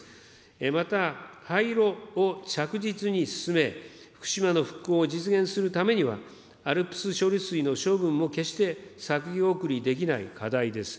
また、廃炉を着実に進め、福島の復興を実現するためには、ＡＬＰＳ処理水の処分も決して先送りできない課題です。